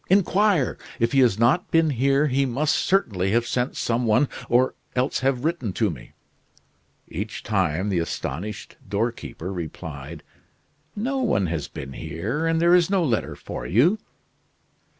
Inquire! If he has not been here he must certainly have sent some one, or else have written to me." Each time the astonished doorkeeper replied: "No one has been here, and there is no letter for you."